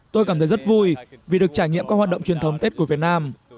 tôi cảm thấy rất vui vì được trải nghiệm các hoạt động truyền thống tết của việt nam